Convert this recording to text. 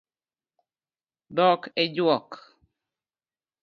Dhok e juok